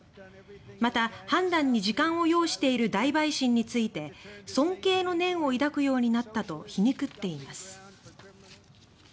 また、判断に時間を要している大陪審について尊敬の念を抱くようになったと皮肉っています。